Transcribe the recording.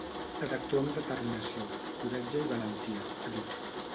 Ha d’actuar amb determinació, coratge i valentia, ha dit.